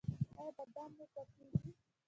ایا بادام مو پړسیږي؟